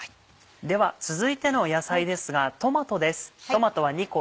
では続いての野菜ですがトマトです。